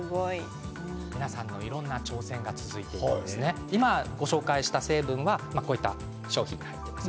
皆さんのいろいろな挑戦が続いて今、ご紹介した成分がこういった商品に入っています。